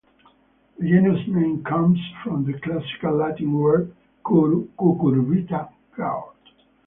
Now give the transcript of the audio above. The genus name comes from the Classical Latin word "cucurbita", "gourd".